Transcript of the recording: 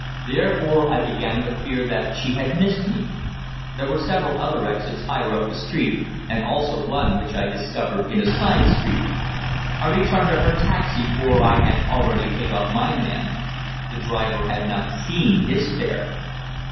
Therefore I began to fear that she had missed me. There were several other exits higher up the street, and also one which I discovered in a side street. I returned to her taxi, for I had already paid off my man. The driver had not seen his "fare."